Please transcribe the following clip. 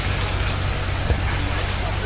กินกว่าอีกแล้วนะครับ